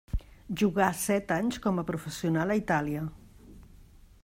Jugà set anys com a professional a Itàlia.